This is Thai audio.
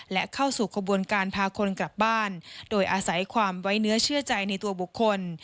และเข้าสู่ขบวนการพาคนกลับบ้านโดยอาศัยความไว้เนื้อเชื่อใจในตัวบุคคล